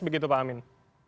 begitu pak amin